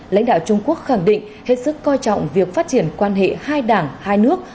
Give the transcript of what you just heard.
lãnh đạo trung quốc khẳng định hết sức coi trọng việc phát triển quan hệ hai đảng hai nước